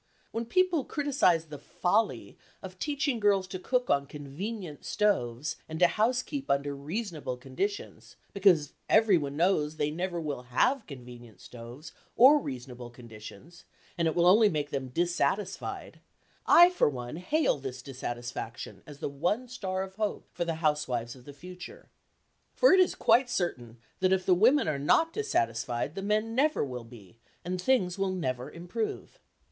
When people criticise the "folly" of teaching girls to cook on convenient stoves and to housekeep under reasonable conditions, because everyone knows they never will have convenient stoves or reasonable conditions, and it will only make them dissatisfied, I for one hail this dissatisfaction as the one star of hope for the housewives of the future. For it is quite certain that if the women are not dissatisfied, the men never will be, and things will never improve.